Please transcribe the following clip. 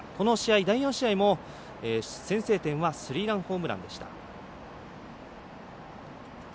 第４試合も先制点はスリーランホームランでした。